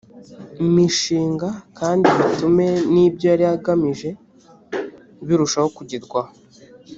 mishinga kandi bitume n ibyo yari igamije birushaho kugerwaho